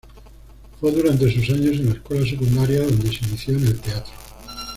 Fue durante sus años en la escuela secundaria donde se inició en el teatro.